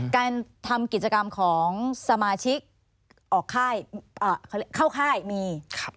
การทำกิจกรรมของสมาชิกออกเข้าค่ายมี